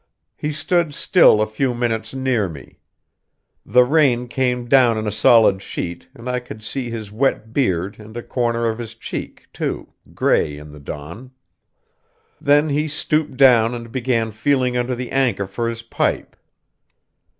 He stood still a few minutes near me. The rain came down in a solid sheet, and I could see his wet beard and a corner of his cheek, too, grey in the dawn. Then he stooped down and began feeling under the anchor for his pipe.